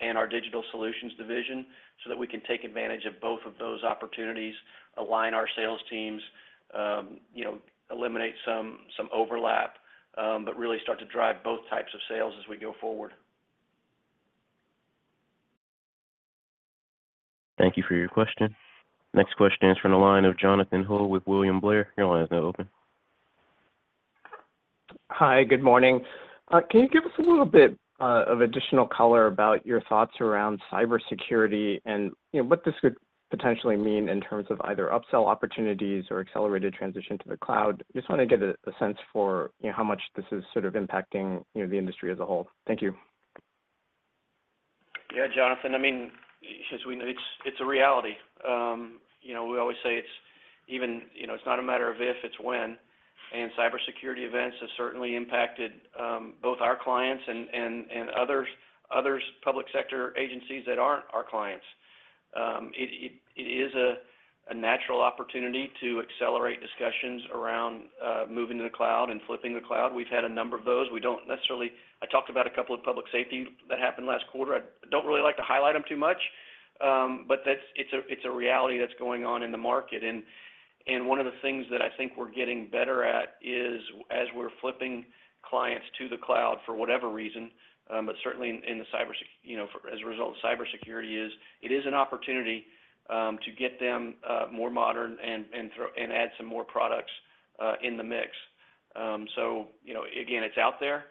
and our Digital Solutions Division so that we can take advantage of both of those opportunities, align our sales teams, eliminate some overlap, but really start to drive both types of sales as we go forward. Thank you for your question. Next question is from the line of Jonathan Ho with William Blair. Your line is now open. Hi, good morning. Can you give us a little bit of additional color about your thoughts around cybersecurity and what this could potentially mean in terms of either upsell opportunities or accelerated transition to the cloud? Just want to get a sense for how much this is sort of impacting the industry as a whole. Thank you. Yeah, Jonathan, I mean, as we know, it's a reality. We always say it's even it's not a matter of if, it's when. And cybersecurity events have certainly impacted both our clients and other public sector agencies that aren't our clients. It is a natural opportunity to accelerate discussions around moving to the cloud and flipping the cloud. We've had a number of those. We don't necessarily I talked about a couple of public safety that happened last quarter. I don't really like to highlight them too much, but it's a reality that's going on in the market. And one of the things that I think we're getting better at is as we're flipping clients to the cloud for whatever reason, but certainly in the as a result of cybersecurity is it is an opportunity to get them more modern and add some more products in the mix. So again, it's out there.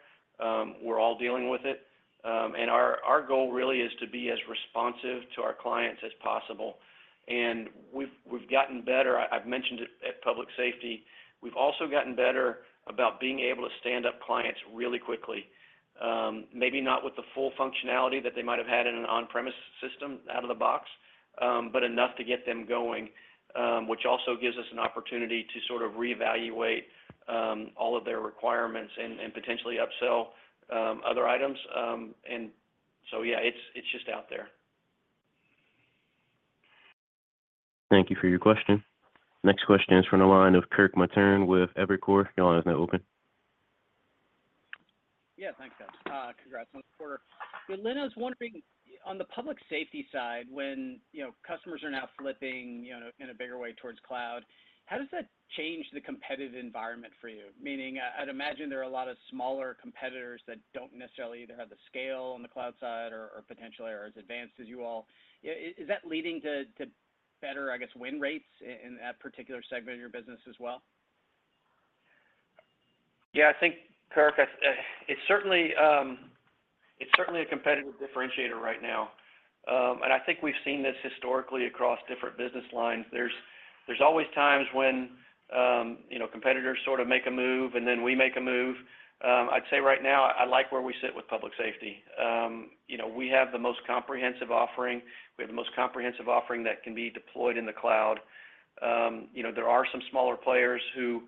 We're all dealing with it. Our goal really is to be as responsive to our clients as possible. We've gotten better. I've mentioned it at public safety. We've also gotten better about being able to stand up clients really quickly, maybe not with the full functionality that they might have had in an on-premises system out of the box, but enough to get them going, which also gives us an opportunity to sort of reevaluate all of their requirements and potentially upsell other items. So yeah, it's just out there. Thank you for your question. Next question is from the line of Kirk Materne with Evercore. Your line is now open. Yeah, thanks, guys. Congrats on the quarter. Then Lynna I was wondering, on the public safety side, when customers are now flipping in a bigger way towards cloud, how does that change the competitive environment for you? Meaning, I'd imagine there are a lot of smaller competitors that don't necessarily either have the scale on the cloud side or potentially are as advanced as you all. Is that leading to better, I guess, win rates in that particular segment of your business as well? Yeah, I think, Kirk, it's certainly a competitive differentiator right now. And I think we've seen this historically across different business lines. There's always times when competitors sort of make a move and then we make a move. I'd say right now, I like where we sit with public safety. We have the most comprehensive offering. We have the most comprehensive offering that can be deployed in the cloud. There are some smaller players who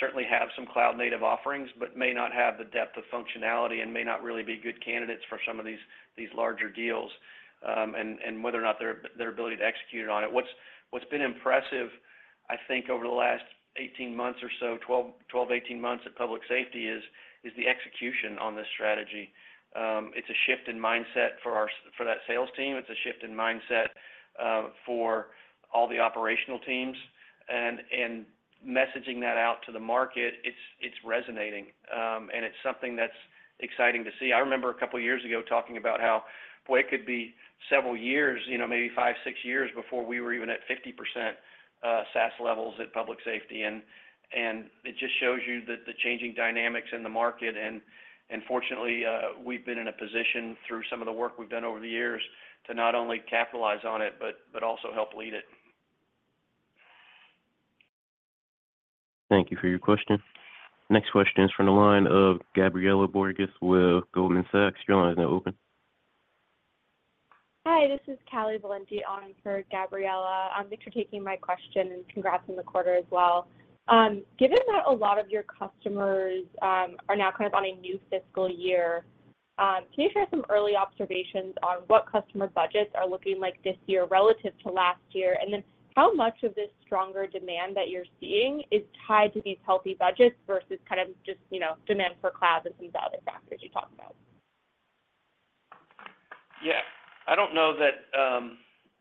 certainly have some cloud-native offerings but may not have the depth of functionality and may not really be good candidates for some of these larger deals and whether or not their ability to execute it on it. What's been impressive, I think, over the last 18 months or so, 12, 18 months at public safety is the execution on this strategy. It's a shift in mindset for that sales team. It's a shift in mindset for all the operational teams. Messaging that out to the market, it's resonating. It's something that's exciting to see. I remember a couple of years ago talking about how it could be several years, maybe five, six years before we were even at 50% SaaS levels at public safety. It just shows you the changing dynamics in the market. Fortunately, we've been in a position through some of the work we've done over the years to not only capitalize on it but also help lead it. Thank you for your question. Next question is from the line of Gabriela Borges with Goldman Sachs. Your line is now open. Hi, this is Callie Valenti on for Gabriela. Thanks for taking my question and congrats on the quarter as well. Given that a lot of your customers are now kind of on a new fiscal year, can you share some early observations on what customer budgets are looking like this year relative to last year? And then how much of this stronger demand that you're seeing is tied to these healthy budgets versus kind of just demand for cloud and some of the other factors you talked about? Yeah. I don't know that,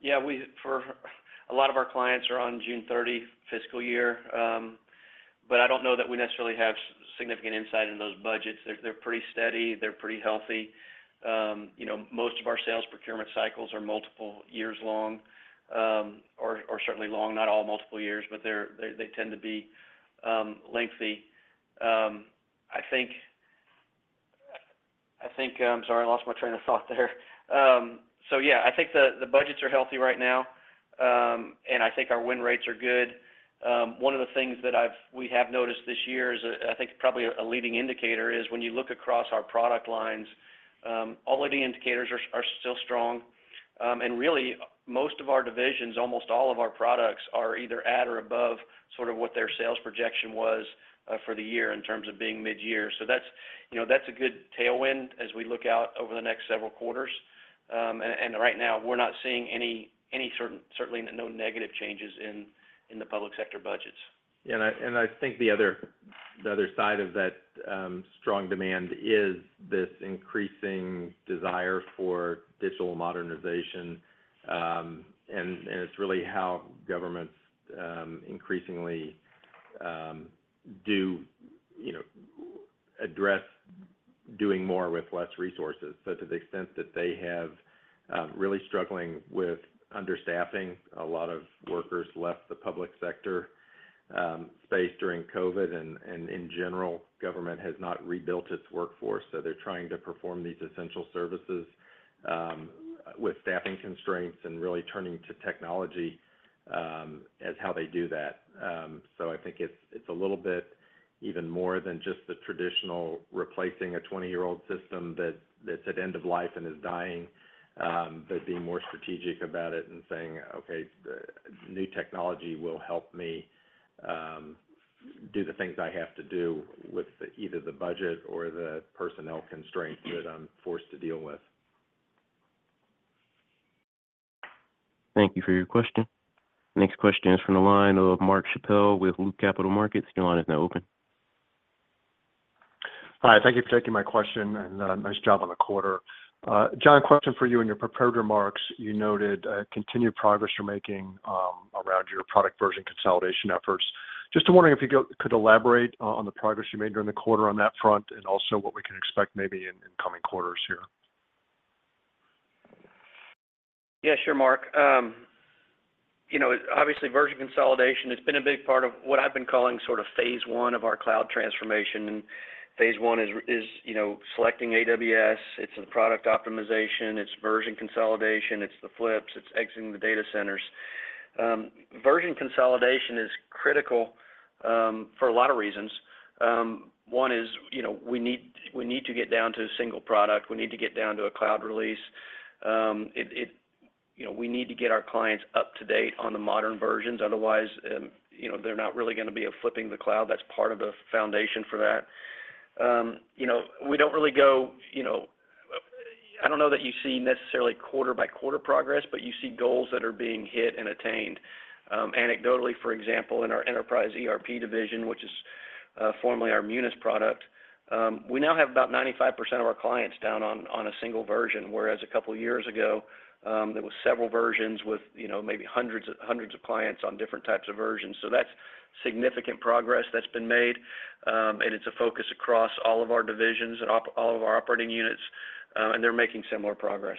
yeah, a lot of our clients are on June 30 fiscal year, but I don't know that we necessarily have significant insight into those budgets. They're pretty steady. They're pretty healthy. Most of our sales procurement cycles are multiple years long or certainly long, not all multiple years, but they tend to be lengthy. I think, sorry, I lost my train of thought there. So yeah, I think the budgets are healthy right now, and I think our win rates are good. One of the things that we have noticed this year is, I think, probably a leading indicator is when you look across our product lines, all of the indicators are still strong. And really, most of our divisions, almost all of our products are either at or above sort of what their sales projection was for the year in terms of being mid-year. That's a good tailwind as we look out over the next several quarters. Right now, we're not seeing any, certainly no negative changes in the public sector budgets. Yeah. And I think the other side of that strong demand is this increasing desire for digital modernization. And it's really how governments increasingly do address doing more with less resources. So to the extent that they have really struggling with understaffing, a lot of workers left the public sector space during COVID. And in general, government has not rebuilt its workforce. So they're trying to perform these essential services with staffing constraints and really turning to technology as how they do that. So I think it's a little bit even more than just the traditional replacing a 20-year-old system that's at end of life and is dying, but being more strategic about it and saying, "Okay, new technology will help me do the things I have to do with either the budget or the personnel constraints that I'm forced to deal with." Thank you for your question. Next question is from the line of Mark Schappel with Loop Capital Markets. Your line is now open. Hi. Thank you for taking my question and nice job on the quarter. Junior, question for you. In your prepared remarks, you noted continued progress you're making around your product version consolidation efforts. Just wondering if you could elaborate on the progress you made during the quarter on that front and also what we can expect maybe in coming quarters here. Yeah, sure, Mark. Obviously, version consolidation, it's been a big part of what I've been calling sort of phase one of our cloud transformation. Phase one is selecting AWS. It's the product optimization. It's version consolidation. It's the flips. It's exiting the data centers. Version consolidation is critical for a lot of reasons. One is we need to get down to a single product. We need to get down to a cloud release. We need to get our clients up to date on the modern versions. Otherwise, they're not really going to be able to flip to the cloud. That's part of the foundation for that. I don't know that you see necessarily quarter-by-quarter progress, but you see goals that are being hit and attained. Anecdotally, for example, in our Enterprise ERP Division, which is formerly our Munis product, we now have about 95% of our clients down on a single version, whereas a couple of years ago, there were several versions with maybe hundreds of clients on different types of versions. That's significant progress that's been made. It's a focus across all of our divisions and all of our operating units. They're making similar progress.